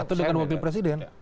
itu dengan wakil presiden